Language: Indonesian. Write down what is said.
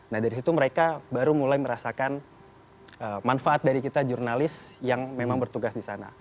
nah dari situ mereka baru mulai merasakan manfaat dari kita jurnalis yang memang bertugas di sana